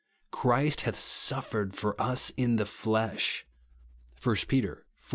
Christ hath suf fered for us in the flesh," (1 Pet. iv.